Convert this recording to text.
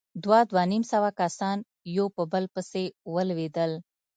دوه، دوه نيم سوه کسان يو په بل پسې ولوېدل.